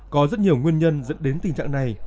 có rất nhiều nguyên nhân dẫn đến tình trạng này